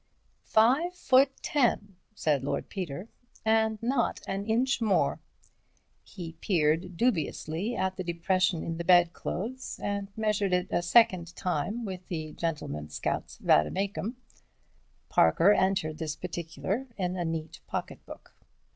"Five foot ten," said Lord Peter, "and not an inch more." He peered dubiously at the depression in the bed clothes, and measured it a second time with the gentleman scout's vade mecum. Parker entered this particular in a neat pocketbook.